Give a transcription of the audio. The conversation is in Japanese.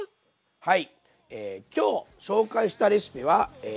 はい。